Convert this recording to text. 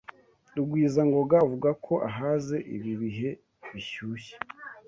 Rugwizangoga avuga ko ahaze ibi bihe bishyushye.